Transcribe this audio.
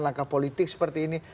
langkah politik seperti ini